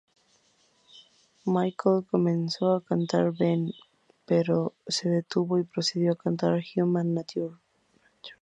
Michael comenzó a cantar "Ben", pero se detuvo y procedió a cantar "Human Nature".